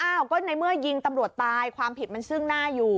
อ้าวก็ในเมื่อยิงตำรวจตายความผิดมันซึ่งหน้าอยู่